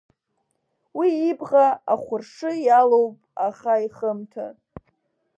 Уи ибӷа ахәыршы иалоуп аӷа ихымҭа.